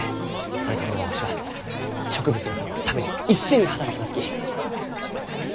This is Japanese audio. これからもわしは植物学のために一心に働きますき！